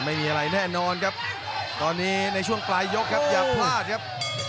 ไม่มีอะไรแน่นอนครับตอนนี้ในช่วงปลายยกครับอย่าพลาดครับ